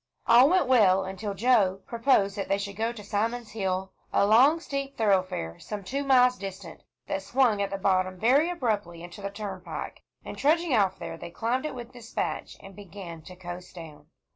All went well, until Joe proposed that they should go to Simon's Hill, a long steep thoroughfare some two miles distant, that swung at the bottom very abruptly into the turnpike. And trudging off there, they climbed it with despatch, and began to coast down.